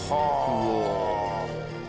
うわ。